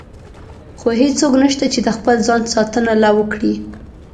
خو هېڅوک نشته چې د خپل ځان ساتنه لا وکړي.